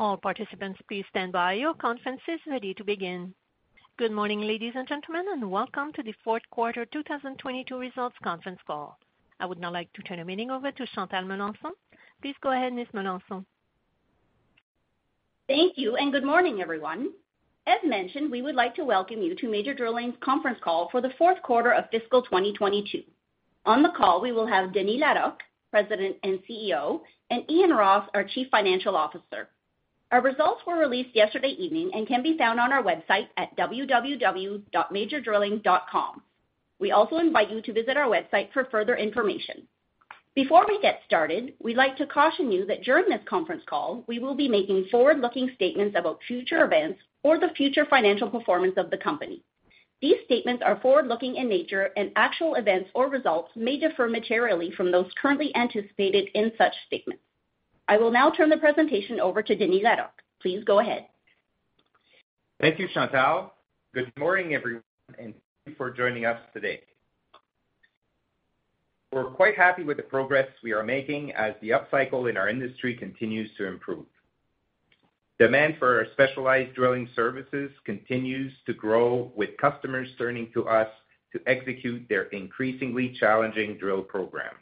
All participants, please stand by. Your conference is ready to begin. Good morning, ladies and gentlemen, and welcome to the fourth quarter 2022 results conference call. I would now like to turn the meeting over to Chantal Melanson. Please go ahead, Ms. Melanson. Thank you, and good morning, everyone. As mentioned, we would like to welcome you to Major Drilling's conference call for the fourth quarter of fiscal 2022. On the call, we will have Denis Larocque, President and CEO, and Ian Ross, our Chief Financial Officer. Our results were released yesterday evening and can be found on our website at www.majordrilling.com. We also invite you to visit our website for further information. Before we get started, we'd like to caution you that during this conference call, we will be making forward-looking statements about future events or the future financial performance of the company. These statements are forward-looking in nature, and actual events or results may differ materially from those currently anticipated in such statements. I will now turn the presentation over to Denis Larocque. Please go ahead. Thank you, Chantal. Good morning, everyone, and thank you for joining us today. We're quite happy with the progress we are making as the upcycle in our industry continues to improve. Demand for our specialized drilling services continues to grow, with customers turning to us to execute their increasingly challenging drill programs.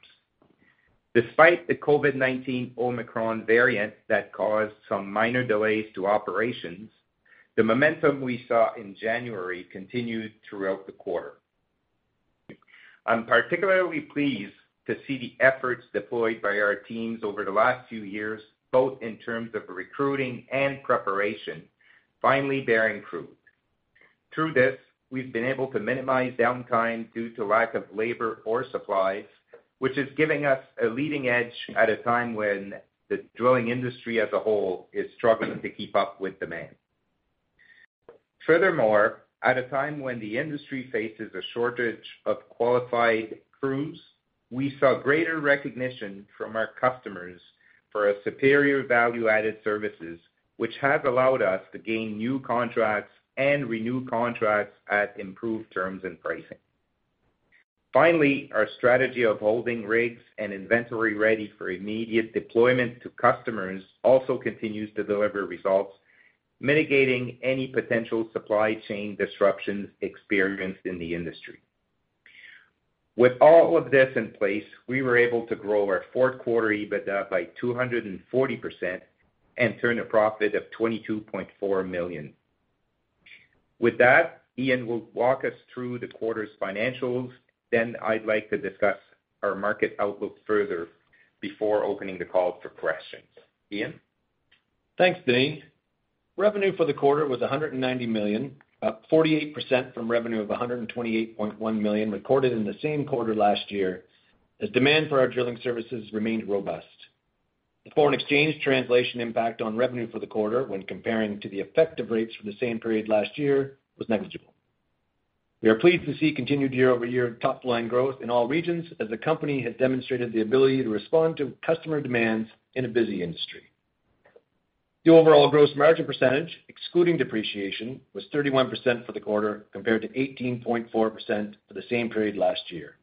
Despite the COVID-19 Omicron variant that caused some minor delays to operations, the momentum we saw in January continued throughout the quarter. I'm particularly pleased to see the efforts deployed by our teams over the last few years, both in terms of recruiting and preparation, finally bearing fruit. Through this, we've been able to minimize downtime due to lack of labor or supplies, which is giving us a leading edge at a time when the drilling industry as a whole is struggling to keep up with demand. Furthermore, at a time when the industry faces a shortage of qualified crews, we saw greater recognition from our customers for a superior value-added services, which has allowed us to gain new contracts and renew contracts at improved terms and pricing. Finally, our strategy of holding rigs and inventory ready for immediate deployment to customers also continues to deliver results, mitigating any potential supply chain disruptions experienced in the industry. With all of this in place, we were able to grow our fourth quarter EBITDA by 240% and turn a profit of 22.4 million. With that, Ian will walk us through the quarter's financials, then I'd like to discuss our market outlook further before opening the call for questions. Ian? Thanks, Denis. Revenue for the quarter was 190 million, up 48% from revenue of 128.1 million recorded in the same quarter last year, as demand for our drilling services remained robust. The foreign exchange translation impact on revenue for the quarter when comparing to the effective rates for the same period last year was negligible. We are pleased to see continued year-over-year top-line growth in all regions as the company has demonstrated the ability to respond to customer demands in a busy industry. The overall gross margin percentage, excluding depreciation, was 31% for the quarter compared to 18.4% for the same period last year.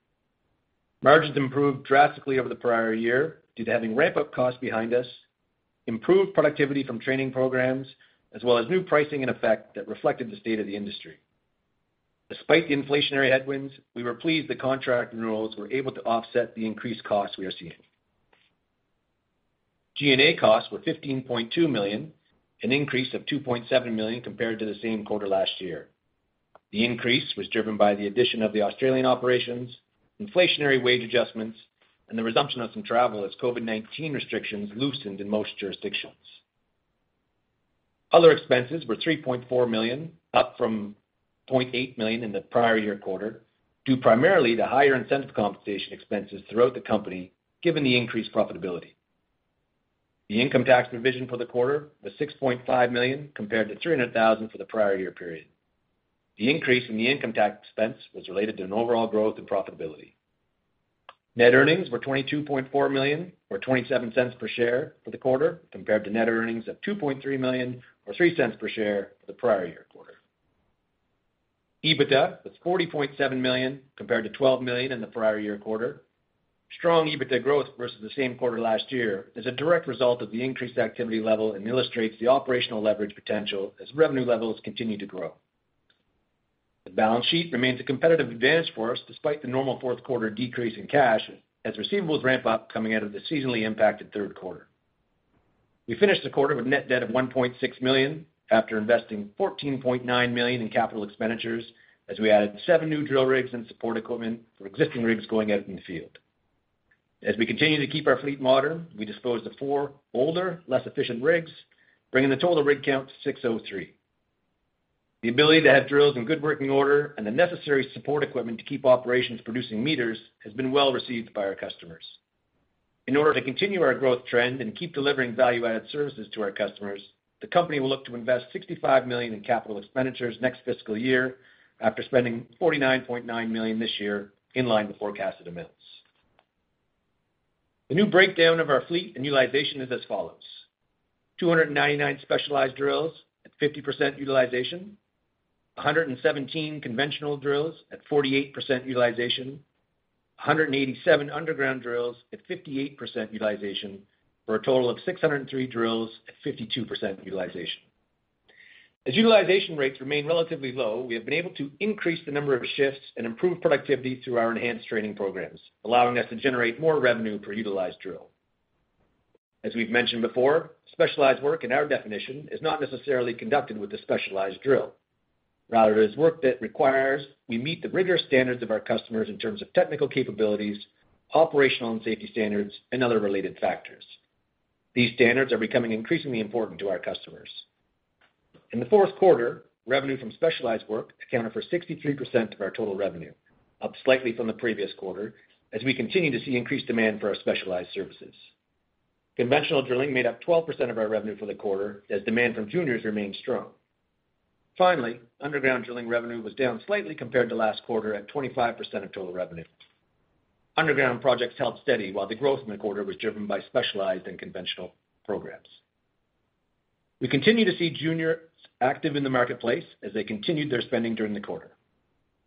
Margins improved drastically over the prior year due to having ramp-up costs behind us, improved productivity from training programs, as well as new pricing in effect that reflected the state of the industry. Despite the inflationary headwinds, we were pleased the contract renewals were able to offset the increased costs we are seeing. G&A costs were 15.2 million, an increase of 2.7 million compared to the same quarter last year. The increase was driven by the addition of the Australian operations, inflationary wage adjustments, and the resumption of some travel as COVID-19 restrictions loosened in most jurisdictions. Other expenses were 3.4 million, up from 0.8 million in the prior year quarter, due primarily to higher incentive compensation expenses throughout the company, given the increased profitability. The income tax provision for the quarter was 6.5 million, compared to 300,000 for the prior year period. The increase in the income tax expense was related to an overall growth in profitability. Net earnings were CAD 22.4 million or 0.27 per share for the quarter, compared to net earnings of CAD 2.3 million or 0.03 per share for the prior year quarter. EBITDA was CAD 40.7 million, compared to CAD 12 million in the prior year quarter. Strong EBITDA growth versus the same quarter last year is a direct result of the increased activity level and illustrates the operational leverage potential as revenue levels continue to grow. The balance sheet remains a competitive advantage for us despite the normal fourth quarter decrease in cash as receivables ramp up coming out of the seasonally impacted third quarter. We finished the quarter with net debt of 1.6 million after investing 14.9 million in capital expenditures as we added seven new drill rigs and support equipment for existing rigs going out in the field. As we continue to keep our fleet modern, we disposed of four older, less efficient rigs, bringing the total rig count to 603. The ability to have drills in good working order and the necessary support equipment to keep operations producing meters has been well received by our customers. In order to continue our growth trend and keep delivering value-added services to our customers, the company will look to invest 65 million in capital expenditures next fiscal year after spending 49.9 million this year in line with forecasted amounts. The new breakdown of our fleet and utilization is as follows. 299 specialized drills at 50% utilization. 117 conventional drills at 48% utilization. 187 underground drills at 58% utilization for a total of 603 drills at 52% utilization. As utilization rates remain relatively low, we have been able to increase the number of shifts and improve productivity through our enhanced training programs, allowing us to generate more revenue per utilized drill. As we've mentioned before, specialized work in our definition is not necessarily conducted with a specialized drill. Rather, it is work that requires we meet the rigorous standards of our customers in terms of technical capabilities, operational and safety standards, and other related factors. These standards are becoming increasingly important to our customers. In the fourth quarter, revenue from specialized work accounted for 63% of our total revenue, up slightly from the previous quarter as we continue to see increased demand for our specialized services. Conventional drilling made up 12% of our revenue for the quarter as demand from juniors remained strong. Finally, underground drilling revenue was down slightly compared to last quarter at 25% of total revenue. Underground projects held steady while the growth in the quarter was driven by specialized and conventional programs. We continue to see juniors active in the marketplace as they continued their spending during the quarter.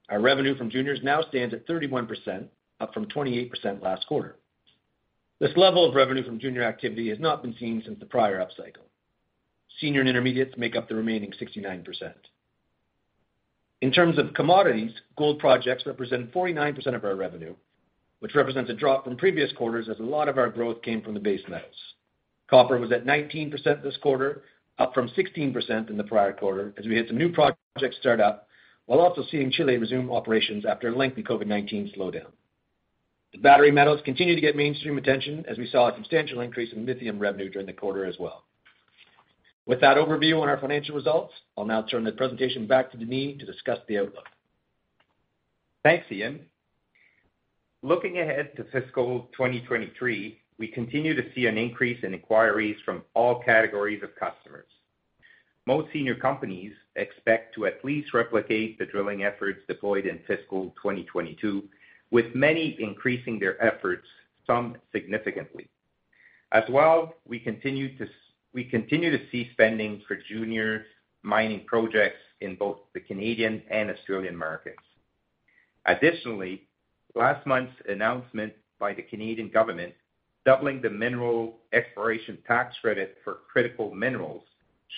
Our revenue from juniors now stands at 31%, up from 28% last quarter. This level of revenue from junior activity has not been seen since the prior upcycle. Senior and intermediates make up the remaining 69%. In terms of commodities, gold projects represent 49% of our revenue, which represents a drop from previous quarters as a lot of our growth came from the base metals. Copper was at 19% this quarter, up from 16% in the prior quarter as we had some new projects start up while also seeing Chile resume operations after a lengthy COVID-19 slowdown. The battery metals continue to get mainstream attention as we saw a substantial increase in lithium revenue during the quarter as well. With that overview on our financial results, I'll now turn the presentation back to Denis to discuss the outlook. Thanks, Ian. Looking ahead to fiscal 2023, we continue to see an increase in inquiries from all categories of customers. Most senior companies expect to at least replicate the drilling efforts deployed in fiscal 2022, with many increasing their efforts, some significantly. As well, we continue to see spending for junior mining projects in both the Canadian and Australian markets. Additionally, last month's announcement by the Canadian government doubling the Mineral Exploration Tax Credit for critical minerals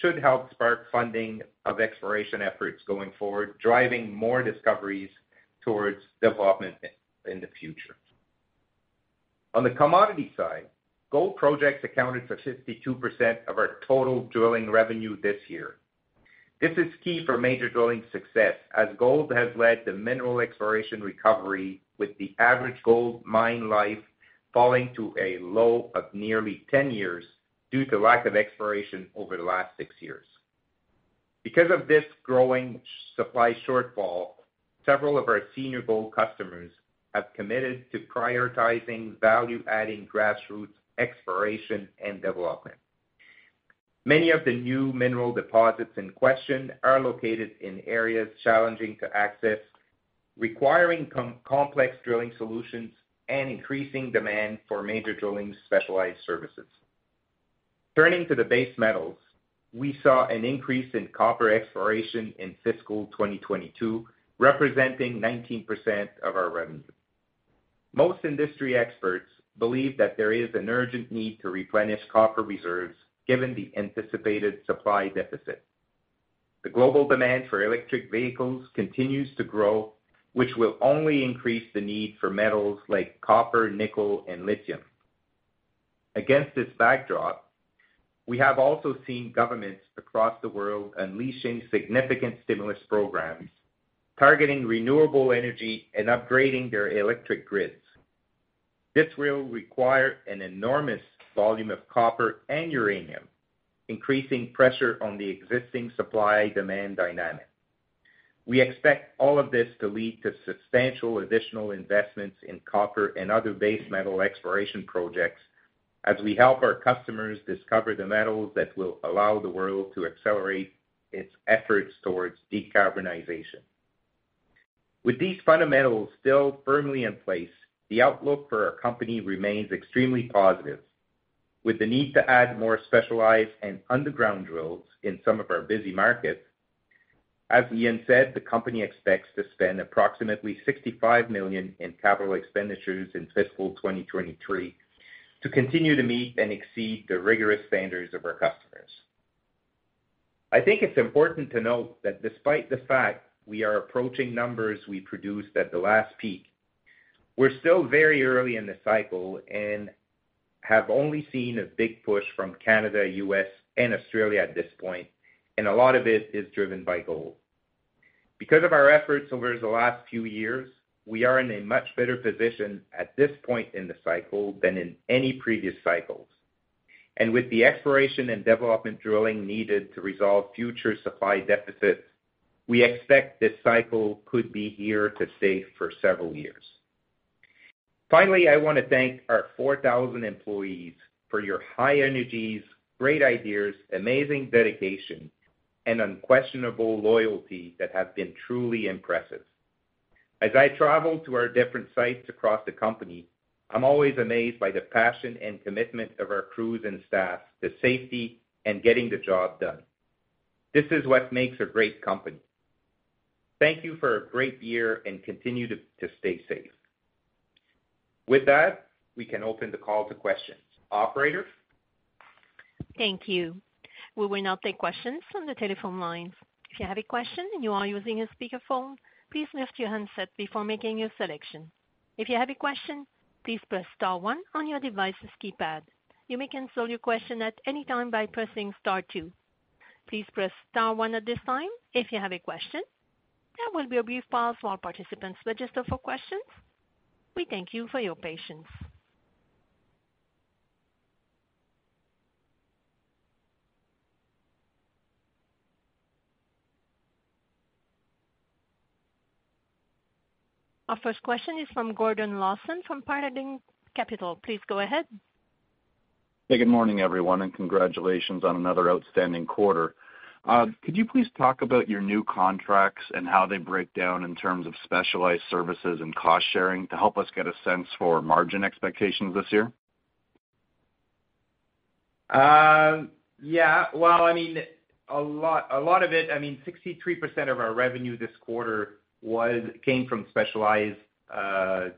should help spark funding of exploration efforts going forward, driving more discoveries towards development in the future. On the commodity side, gold projects accounted for 52% of our total drilling revenue this year. This is key for Major Drilling success as gold has led the mineral exploration recovery with the average gold mine life falling to a low of nearly 10 years due to lack of exploration over the last six years. Because of this growing supply shortfall, several of our senior gold customers have committed to prioritizing value-adding grassroots exploration and development. Many of the new mineral deposits in question are located in areas challenging to access, requiring complex drilling solutions and increasing demand for Major Drilling specialized services. Turning to the base metals, we saw an increase in copper exploration in fiscal 2022, representing 19% of our revenue. Most industry experts believe that there is an urgent need to replenish copper reserves given the anticipated supply deficit. The global demand for electric vehicles continues to grow, which will only increase the need for metals like copper, nickel, and lithium. Against this backdrop, we have also seen governments across the world unleashing significant stimulus programs, targeting renewable energy and upgrading their electric grids. This will require an enormous volume of copper and uranium, increasing pressure on the existing supply-demand dynamic. We expect all of this to lead to substantial additional investments in copper and other base metal exploration projects as we help our customers discover the metals that will allow the world to accelerate its efforts towards decarbonization. With these fundamentals still firmly in place, the outlook for our company remains extremely positive. With the need to add more specialized and underground drills in some of our busy markets, as Ian said, the company expects to spend approximately 65 million in capital expenditures in fiscal 2023 to continue to meet and exceed the rigorous standards of our customers. I think it's important to note that despite the fact we are approaching numbers we produced at the last peak, we're still very early in the cycle and have only seen a big push from Canada, U.S., and Australia at this point, and a lot of it is driven by gold. Because of our efforts over the last few years, we are in a much better position at this point in the cycle than in any previous cycles. With the exploration and development drilling needed to resolve future supply deficits, we expect this cycle could be here to stay for several years. Finally, I want to thank our 4,000 employees for your high energies, great ideas, amazing dedication, and unquestionable loyalty that have been truly impressive. As I travel to our different sites across the company, I'm always amazed by the passion and commitment of our crews and staff to safety and getting the job done. This is what makes a great company. Thank you for a great year, and continue to stay safe. With that, we can open the call to questions. Operator? Thank you. We will now take questions from the telephone lines. If you have a question and you are using a speakerphone, please mute your handset before making your selection. If you have a question, please press star-one on your device's keypad. You may cancel your question at any time by pressing star-two. Please press star-one at this time if you have a question. There will be a brief pause while participants register for questions. We thank you for your patience. Our first question is from Gordon Lawson from Paradigm Capital. Please go ahead. Hey, good morning, everyone, and congratulations on another outstanding quarter. Could you please talk about your new contracts and how they break down in terms of specialized services and cost-sharing to help us get a sense for margin expectations this year? Well, I mean, a lot of it, I mean, 63% of our revenue this quarter came from specialized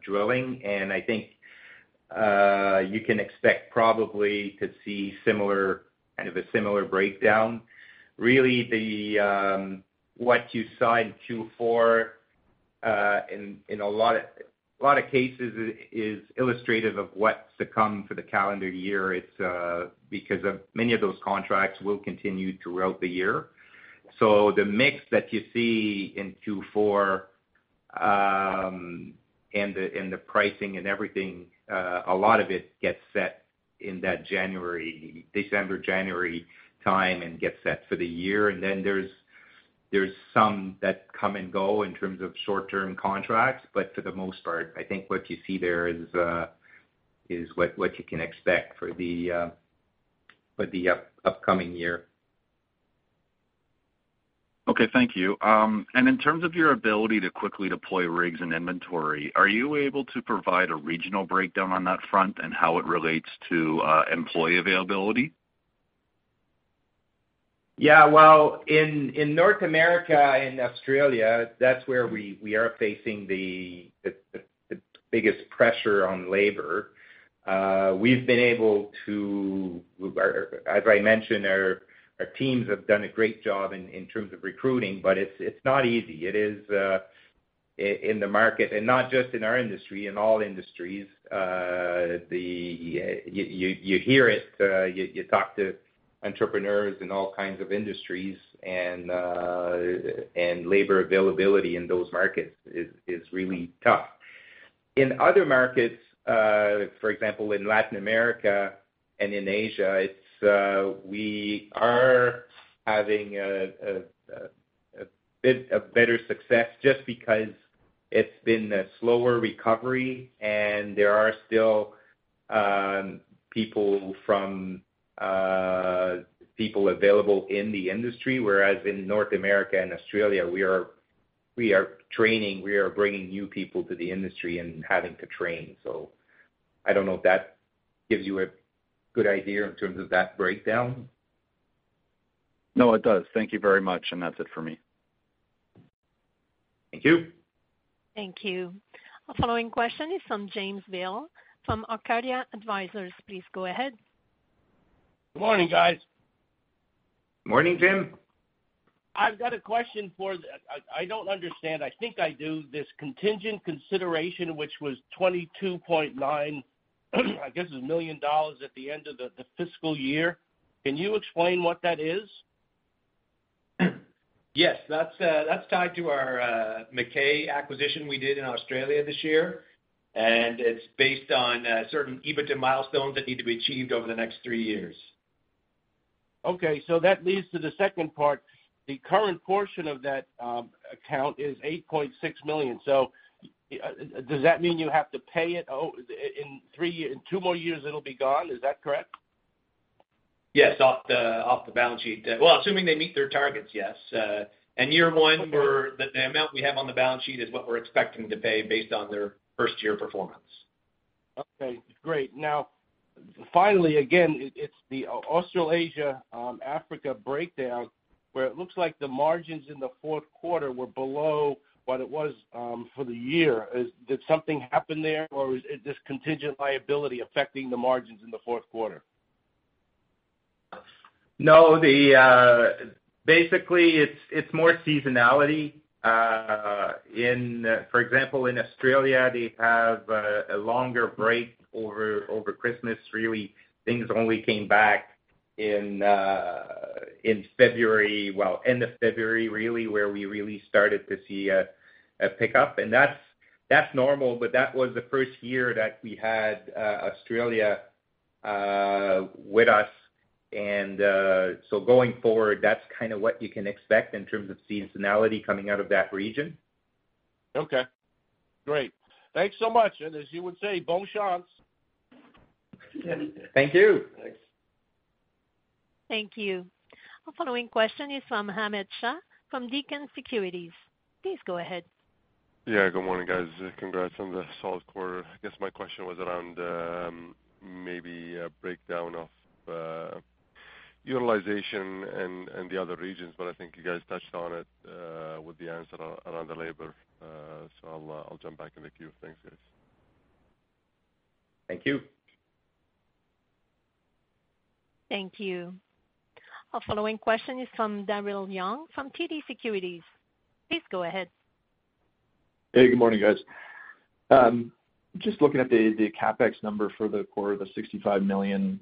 drilling. I think you can expect probably to see similar, kind of a similar breakdown. Really, the what you saw in Q4 in a lot of cases is illustrative of what's to come for the calendar year. It's because of many of those contracts will continue throughout the year. The mix that you see in Q4 and the pricing and everything, a lot of it gets set in that December-January time and gets set for the year. Then there's some that come and go in terms of short-term contracts. For the most part, I think what you see there is what you can expect for the upcoming year. Okay. Thank you. In terms of your ability to quickly deploy rigs and inventory, are you able to provide a regional breakdown on that front and how it relates to employee availability? Yeah. Well, in North America and Australia, that's where we are facing the biggest pressure on labor. We've been able to, as I mentioned, our teams have done a great job in terms of recruiting, but it's not easy. It is in the market, and not just in our industry, in all industries. You hear it. You talk to entrepreneurs in all kinds of industries and labor availability in those markets is really tough. In other markets, for example, in Latin America and in Asia, it's we are having a better success just because it's been a slower recovery and there are still people available in the industry, whereas in North America and Australia, we are training, we are bringing new people to the industry and having to train. I don't know if that gives you a good idea in terms of that breakdown. No, it does. Thank you very much. That's it for me. Thank you. Thank you. Our following question is from James Vail from Arcadia Advisors. Please go ahead. Good morning, guys. Morning, Jim. I've got a question. I don't understand. I think I do. This contingent consideration, which was 22.9 million, I guess it's at the end of the fiscal year. Can you explain what that is? Yes. That's tied to our McKay acquisition we did in Australia this year, and it's based on certain EBITDA milestones that need to be achieved over the next three years. Okay. That leads to the second part. The current portion of that account is 8.6 million. Does that mean you have to pay it in two more years it'll be gone? Is that correct? Yes. Off the balance sheet. Well, assuming they meet their targets, yes. Year one, the amount we have on the balance sheet is what we're expecting to pay based on their first-year performance. Okay. Great. Now, finally, again, it's the Australia, Asia, Africa breakdown where it looks like the margins in the fourth quarter were below what it was, for the year. Did something happen there, or is this contingent liability affecting the margins in the fourth quarter? No. Basically, it's more seasonality. For example, in Australia, they have a longer break over Christmas, really. Things only came back in February, well, end of February, really, where we really started to see a pickup. That's normal. That was the first year that we had Australia with us. Going forward, that's kinda what you can expect in terms of seasonality coming out of that region. Okay. Great. Thanks so much. As you would say, [bonne chance]. Thank you. Thanks. Thank you. Our following question is from Mohammad Shah from Beacon Securities. Please go ahead. Yeah, good morning, guys. Congrats on the solid quarter. I guess my question was around maybe a breakdown of utilization and the other regions, but I think you guys touched on it with the answer around the labor. I'll jump back in the queue. Thanks, guys. Thank you. Thank you. Our following question is from Daryl Young from TD Securities. Please go ahead. Hey, good morning, guys. Just looking at the CapEx number for the full year guidance, CAD 65 million.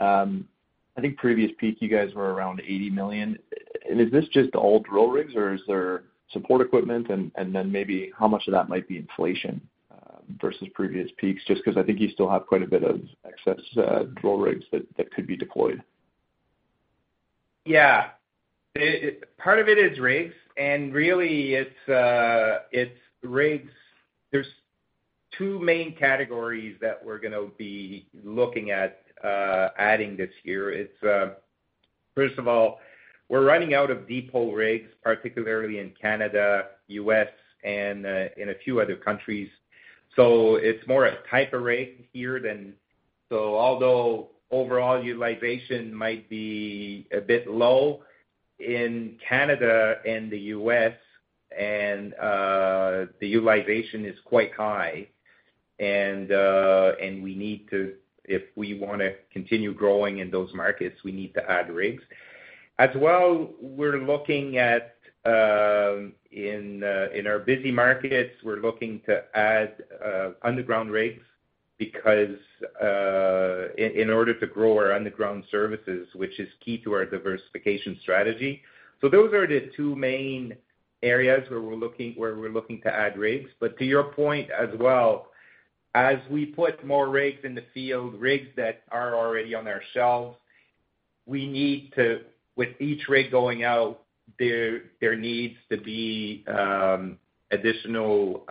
I think previous peak, you guys were around 80 million. Is this just all drill rigs, or is there support equipment? Then maybe how much of that might be inflation versus previous peaks? Just 'cause I think you still have quite a bit of excess drill rigs that could be deployed. Yeah. Part of it is rigs, and really it's rigs. There are two main categories that we're going to be looking at adding this year. First of all, we're running out of deep hole rigs, particularly in Canada, U.S., and in a few other countries. It's more a type of rig here. Although overall utilization might be a bit low, in Canada and the U.S., the utilization is quite high. We need to add rigs if we want to continue growing in those markets. As well, we're looking at in our busy markets, we're looking to add underground rigs because in order to grow our underground services, which is key to our diversification strategy. Those are the two main areas where we're looking to add rigs. To your point as well, as we put more rigs in the field, rigs that are already on our shelves, we need to, with each rig going out, there needs to be additional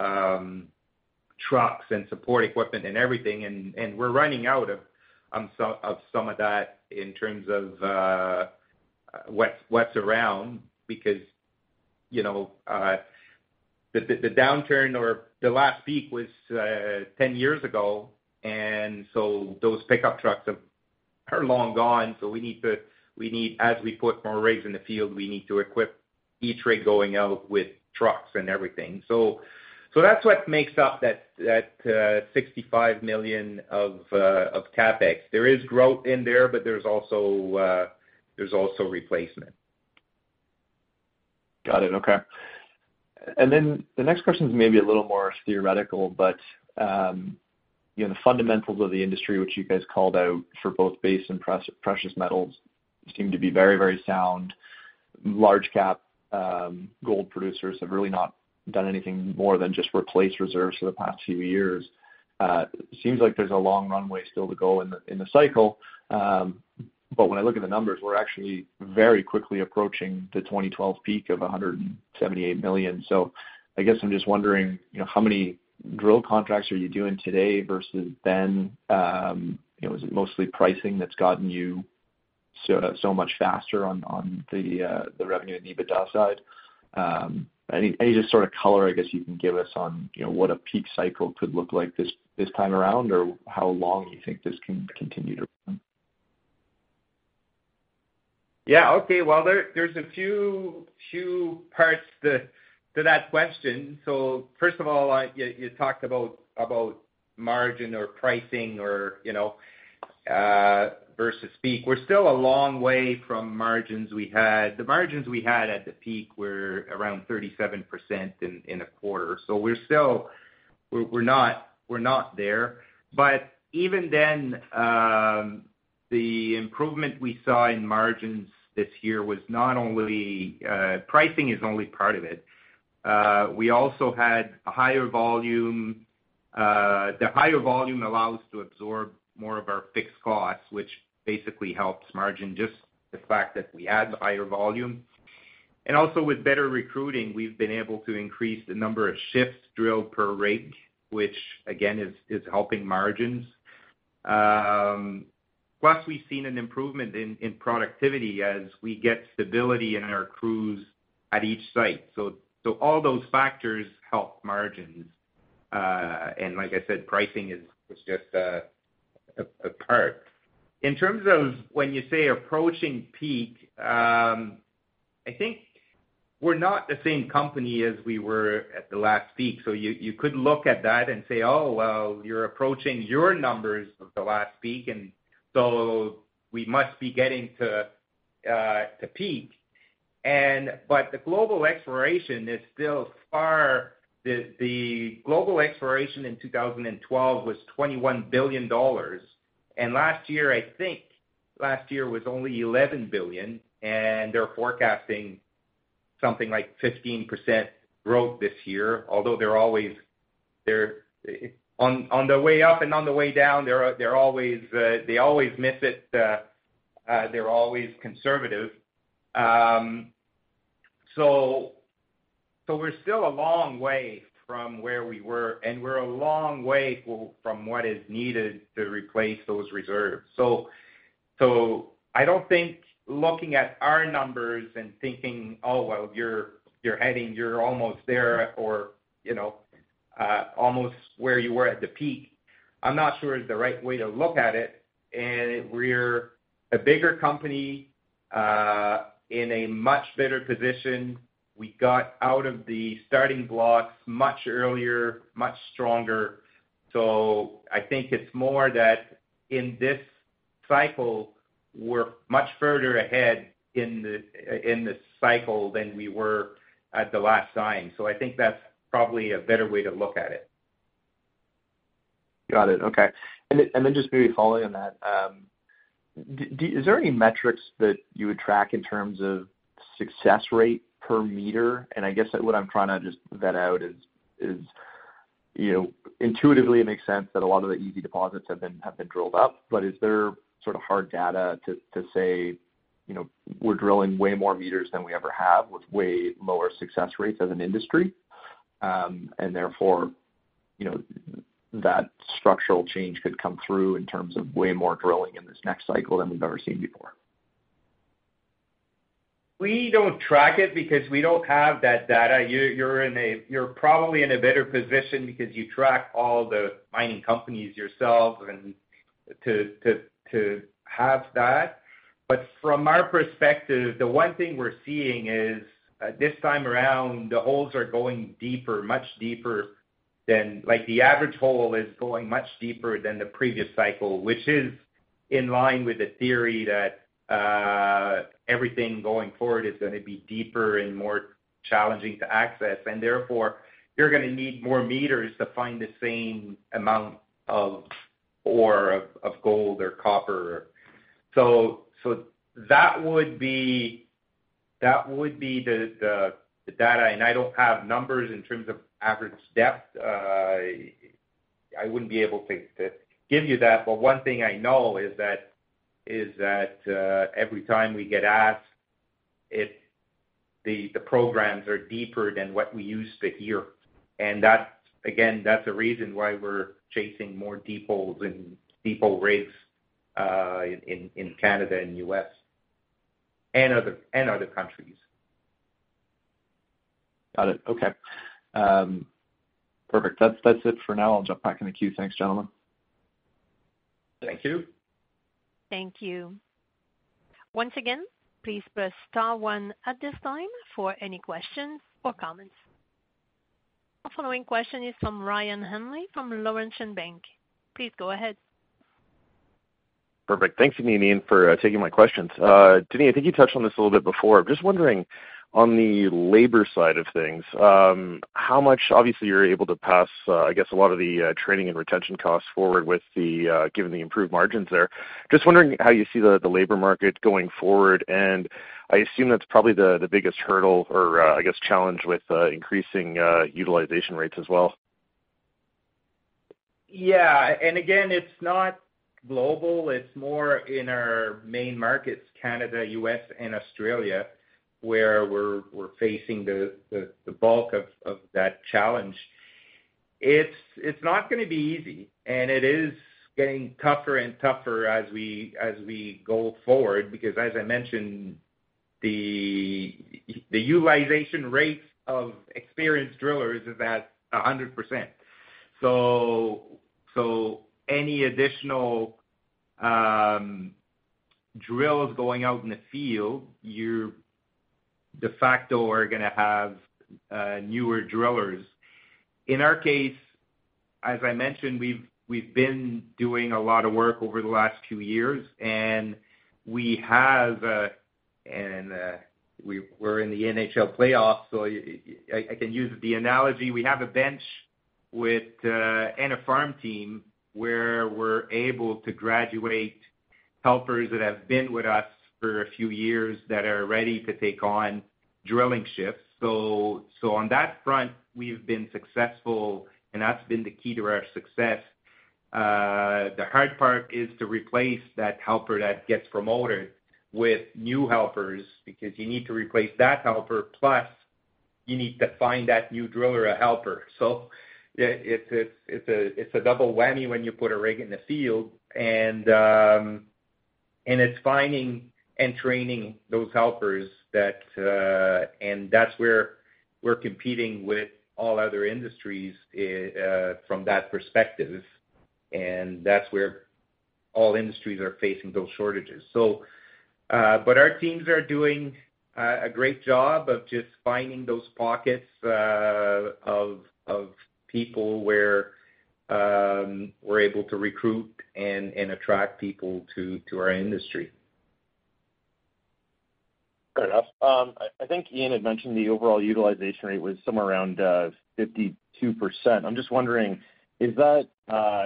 trucks and support equipment and everything. We're running out of some of that in terms of what's around. You know, the downturn or the last peak was 10 years ago, and so those pickup trucks are long gone. As we put more rigs in the field, we need to equip each rig going out with trucks and everything. That's what makes up that 65 million of CapEx. There is growth in there, but there's also replacement. Got it. Okay. The next question is maybe a little more theoretical, but, you know, the fundamentals of the industry, which you guys called out for both base and precious metals seem to be very, very sound. Large cap gold producers have really not done anything more than just replace reserves for the past few years. Seems like there's a long runway still to go in the cycle. When I look at the numbers, we're actually very quickly approaching the 2012 peak of 178 million. I guess I'm just wondering, you know, how many drill contracts are you doing today versus then? You know, is it mostly pricing that's gotten you so much faster on the revenue and EBITDA side? Any just sort of color I guess you can give us on, you know, what a peak cycle could look like this time around, or how long you think this can continue to run? Yeah. Okay. Well, there's a few parts to that question. First of all, you talked about margin or pricing or, you know, versus peak. We're still a long way from margins we had. The margins we had at the peak were around 37% in a quarter. We're still not there. Even then, the improvement we saw in margins this year was not only pricing. Pricing is only part of it. We also had a higher volume. The higher volume allowed us to absorb more of our fixed costs, which basically helps margin, just the fact that we had the higher volume. Also with better recruiting, we've been able to increase the number of shifts drilled per rig, which again is helping margins. Plus we've seen an improvement in productivity as we get stability in our crews at each site. All those factors help margins. Like I said, pricing was just a part. In terms of when you say approaching peak, I think we're not the same company as we were at the last peak. You could look at that and say, "Oh, well, you're approaching your numbers of the last peak, and so we must be getting to peak." The global exploration is still far. The global exploration in 2012 was 21 billion dollars. Last year, I think last year was only 11 billion, and they're forecasting something like 15% growth this year. On the way up and on the way down, they always miss it. They're always conservative. We're still a long way from where we were, and we're a long way from what is needed to replace those reserves. I don't think looking at our numbers and thinking, "Oh, well, you're heading, you're almost there," or, you know, almost where you were at the peak. I'm not sure it's the right way to look at it. We're a bigger company in a much better position. We got out of the starting blocks much earlier, much stronger. I think it's more that in this cycle, we're much further ahead in the cycle than we were at the last cycle. I think that's probably a better way to look at it. Got it. Okay. Then just maybe following on that, is there any metrics that you would track in terms of success rate per meter? I guess what I'm trying to just vet out is, you know, intuitively it makes sense that a lot of the easy deposits have been drilled up. Is there sort of hard data to say, you know, we're drilling way more meters than we ever have with way lower success rates as an industry? Therefore, you know, that structural change could come through in terms of way more drilling in this next cycle than we've ever seen before. We don't track it because we don't have that data. You're probably in a better position because you track all the mining companies yourself and to have that. From our perspective, the one thing we're seeing is this time around, the holes are going deeper, much deeper than like, the average hole is going much deeper than the previous cycle, which is in line with the theory that everything going forward is going to be deeper and more challenging to access. Therefore, you're going to need more meters to find the same amount of gold or copper. That would be the data. I don't have numbers in terms of average depth. I wouldn't be able to give you that. One thing I know is that every time we get asked if the programs are deeper than what we used to hear. That's again the reason why we're chasing more deep holes and deep hole rates in Canada and U.S. and other countries. Got it. Okay. Perfect. That's it for now. I'll jump back in the queue. Thanks, gentlemen. Thank you. Thank you. Once again, please press star-one at this time for any questions or comments. Our following question is from Ryan Hanley, from Laurentian Bank. Please go ahead. Perfect. Thanks, and Ian, for taking my questions. Denis, I think you touched on this a little bit before. Just wondering on the labor side of things, obviously you're able to pass, I guess a lot of the training and retention costs forward with the given the improved margins there. Just wondering how you see the labor market going forward, and I assume that's probably the biggest hurdle or I guess challenge with increasing utilization rates as well. Yeah. Again, it's not global. It's more in our main markets, Canada, U.S., and Australia, where we're facing the bulk of that challenge. It's not going to be easy, and it is getting tougher and tougher as we go forward, because as I mentioned, the utilization rates of experienced drillers is at 100%. So any additional drills going out in the field, you de facto are going to have newer drillers. In our case, as I mentioned, we've been doing a lot of work over the last two years, and we're in the NHL playoffs, so I can use the analogy. We have a bench and a farm team, where we're able to graduate helpers that have been with us for a few years that are ready to take on drilling shifts. On that front, we've been successful, and that's been the key to our success. The hard part is to replace that helper that gets promoted with new helpers because you need to replace that helper, plus you need to find that new driller a helper. It's a double whammy when you put a rig in the field, and it's finding and training those helpers, and that's where we're competing with all other industries from that perspective, and that's where all industries are facing those shortages. Our teams are doing a great job of just finding those pockets of people where we're able to recruit and attract people to our industry. Fair enough. I think Ian had mentioned the overall utilization rate was somewhere around 52%. I'm just wondering, is that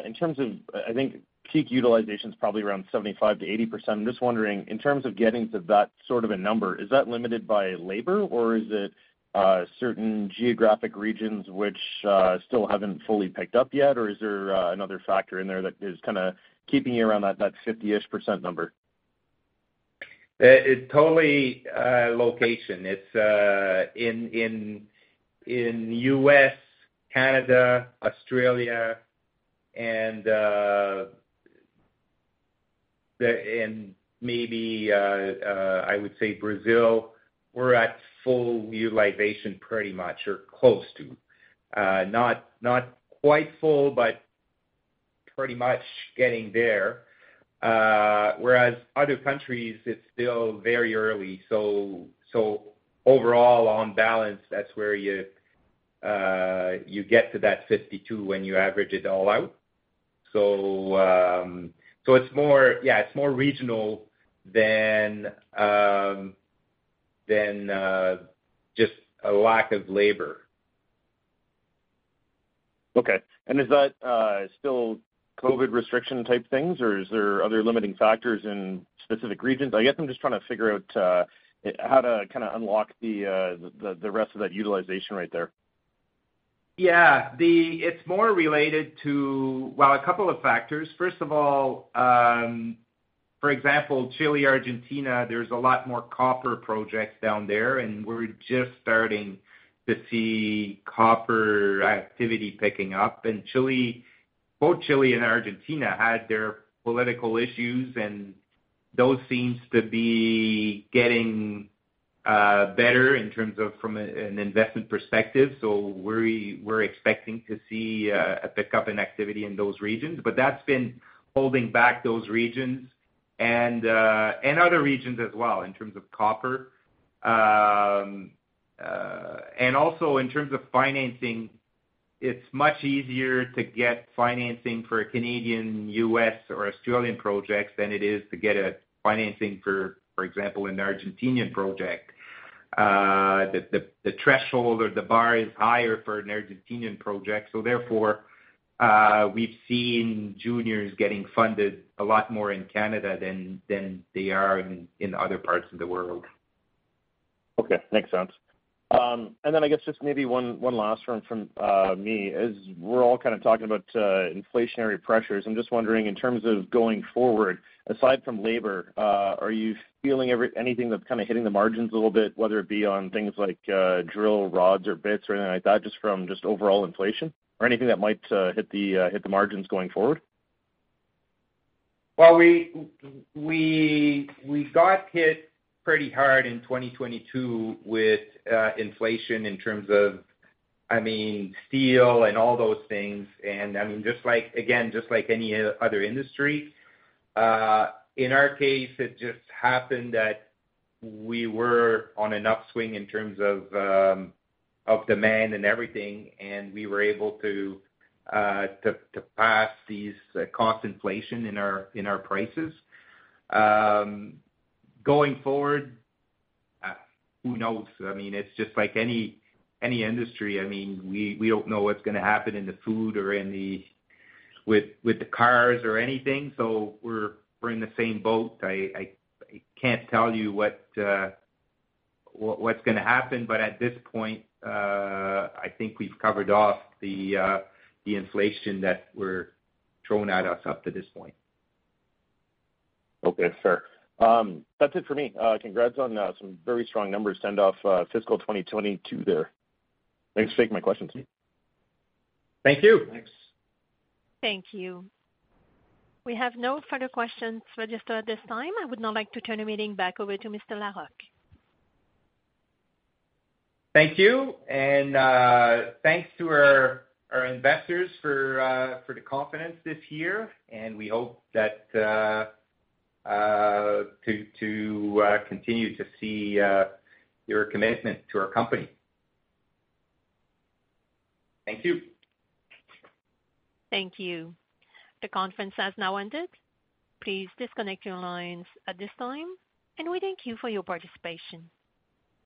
in terms of, I think peak utilization is probably around 75%-80%. I'm just wondering, in terms of getting to that sort of a number, is that limited by labor, or is it certain geographic regions which still haven't fully picked up yet, or is there another factor in there that is kinda keeping you around that 50-ish percent number? It's totally location. It's in U.S., Canada, Australia, and maybe Brazil, we're at full utilization pretty much or close to. Not quite full, but pretty much getting there. Whereas other countries, it's still very early. Overall, on balance, that's where you get to that 52 when you average it all out. It's more, yeah, it's more regional than just a lack of labor. Okay. Is that still COVID restriction type things, or is there other limiting factors in specific regions? I guess I'm just trying to figure out how to kinda unlock the rest of that utilization right there. Yeah. It's more related to, well, a couple of factors. First of all, for example, Chile, Argentina, there's a lot more copper projects down there, and we're just starting to see copper activity picking up. Chile, both Chile and Argentina had their political issues, and those seems to be getting better in terms of from an investment perspective. We're expecting to see a pickup in activity in those regions. That's been holding back those regions and other regions as well in terms of copper. Also in terms of financing, it's much easier to get financing for a Canadian, U.S., or Australian projects than it is to get a financing for example, an Argentinian project. The threshold or the bar is higher for an Argentinian project. We've seen juniors getting funded a lot more in Canada than they are in other parts of the world. Okay. Makes sense. Then I guess just maybe one last one from me. As we're all kind of talking about inflationary pressures, I'm just wondering, in terms of going forward, aside from labor, are you feeling anything that's kind of hitting the margins a little bit, whether it be on things like drill rods or bits or anything like that, just from overall inflation or anything that might hit the margins going forward? Well, we got hit pretty hard in 2022 with inflation in terms of, I mean, steel and all those things. I mean, just like, again, just like any other industry, in our case, it just happened that we were on an upswing in terms of demand and everything, and we were able to pass these cost inflation in our, in our prices. Going forward, who knows? I mean, it's just like any industry. I mean, we don't know what's going to happen in the food or in the, with, the cars or anything. We're in the same boat. I can't tell you what's going to happen. At this point, I think we've covered off the inflation that were thrown at us up to this point. Okay. Sure. That's it for me. Congrats on some very strong numbers to end off fiscal 2022 there. Thanks for taking my questions. Thank you. Thanks. Thank you. We have no further questions registered at this time. I would now like to turn the meeting back over to Mr. Larocque. Thank you. Thanks to our investors for the confidence this year. We hope to continue to see your commitment to our company. Thank you. Thank you. The conference has now ended. Please disconnect your lines at this time, and we thank you for your participation.